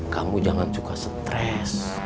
kamu jangan juga stres